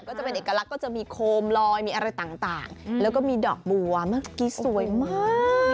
ก็จะเป็นเอกลักษณ์ก็จะมีโคมลอยมีอะไรต่างแล้วก็มีดอกบัวเมื่อกี้สวยมาก